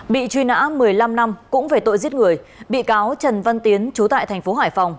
bị truy nã một mươi năm năm cũng về tội giết người bị cáo trần văn tiến trú tại tp hải phòng